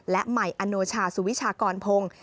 และใหม่อโนชาสุวิชากรพงศ์